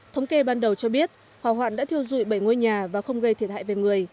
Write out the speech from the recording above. thống kê ban đầu cho biết hỏa hoạn đã thiêu dụi bảy ngôi nhà và không gây thiệt hại về người